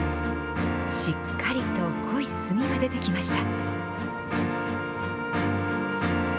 しっかりと濃い墨が出てきました。